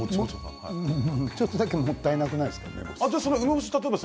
ちょっとだけ梅干しがもったいなくないですか？